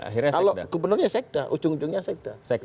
kalau gubernurnya sekda ujung ujungnya sekda